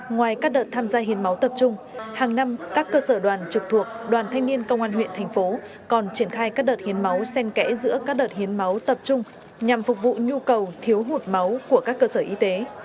ngoài các đợt tham gia hiến máu tập trung hàng năm các cơ sở đoàn trực thuộc đoàn thanh niên công an huyện thành phố còn triển khai các đợt hiến máu sen kẽ giữa các đợt hiến máu tập trung nhằm phục vụ nhu cầu thiếu hụt máu của các cơ sở y tế